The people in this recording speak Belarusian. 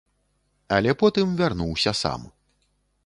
Але потым вярнуўся сам.